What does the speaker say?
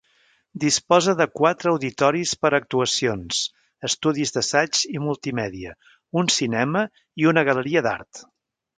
Disposa de quatre auditoris per a actuacions, estudis d'assaig i multimèdia, un cinema i una galeria d'art.